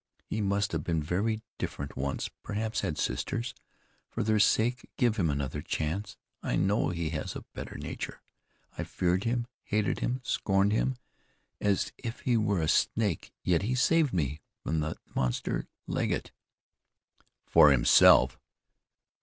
He must have been very different once; perhaps had sisters. For their sake give him another chance. I know he has a better nature. I feared him, hated him, scorned him, as if he were a snake, yet he saved me from that monster Legget!" "For himself!"